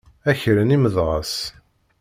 A kra n imedεas!